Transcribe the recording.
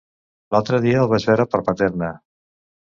L'altre dia el vaig veure per Paterna.